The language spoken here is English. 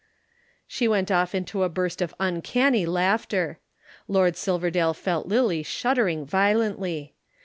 She went off into a burst of uncanny laughter. Lord Silverdale felt Lillie shuddering violently.